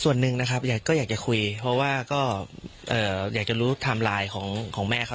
ส่วนหนึ่งนะครับก็อยากจะคุยเพราะว่าก็อยากจะรู้ไทม์ไลน์ของแม่เขา